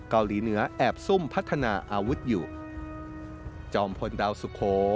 เกาหลีเหนือแอบซุ่มพัฒนาอาวุธอยู่